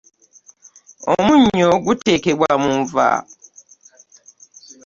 Omunnyo gutekebwa mu nva.